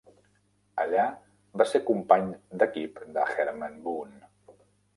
Allà va ser company d'equip de Herman Boone.